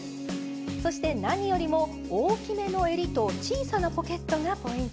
そして何よりも大きめのえりと小さなポケットがポイントです。